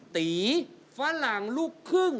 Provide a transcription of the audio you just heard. ตีฝรั่งลูกครึ่ง